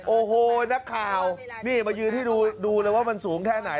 โอ้โหนักข่าวนี่มายืนให้ดูเลยว่ามันสูงแค่ไหน